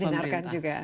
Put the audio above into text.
dan didengarkan juga